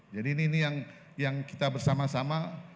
jadi ini yang kita bersama sama